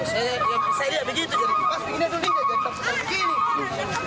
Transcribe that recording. jadi pas begini dia tinggal jadi tak sempat begini